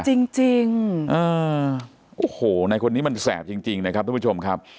จริงจริงโอ้โหในคนนี้มันแสบจริงจริงนะครับทุกผู้ชมครับ